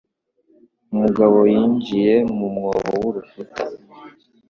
Umugabo yinjiye mu mwobo mu rukuta.